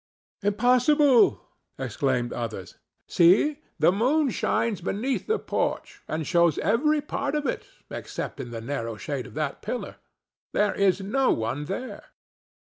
"Impossible!" exclaimed others. "See! The moon shines beneath the porch, and shows every part of it except in the narrow shade of that pillar. There is no one there."